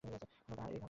অন্তত তাঁর তাই ধারণা।